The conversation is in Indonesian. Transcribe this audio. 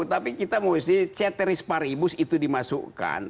tapi kita mau isi ceteris paribus itu dimasukkan